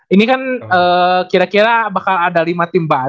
ini kan kira kira bakal ada lima tim baru nih di ibl